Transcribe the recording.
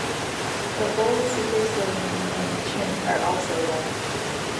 The bold supercilium and the chin are also white.